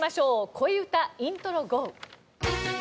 恋うたイントロゴー。